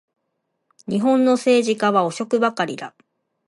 日本の政治家は汚職ばかりだ